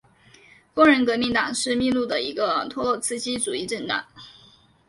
工人革命党是秘鲁的一个托洛茨基主义政党。